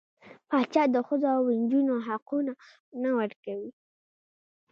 پاچا د ښځو او نجونـو حقونه نه ورکوي .